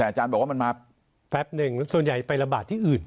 แต่อาจารย์บอกว่ามันมาแป๊บหนึ่งส่วนใหญ่ไประบาดที่อื่น